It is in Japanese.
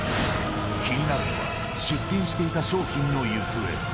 気になるのは、出品していた商品の行方。